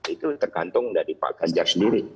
itu tergantung dari pak ganjar sendiri